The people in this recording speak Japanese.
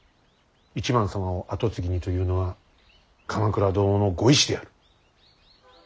一幡様を跡継ぎにというのは鎌倉殿のご意志である。